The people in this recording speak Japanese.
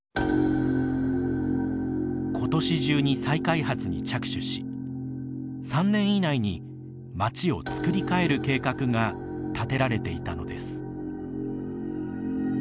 今年中に再開発に着手し３年以内に町を造りかえる計画が立てられていたのです。